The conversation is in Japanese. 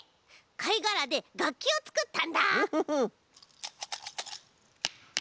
かいがらでがっきをつくったんだ！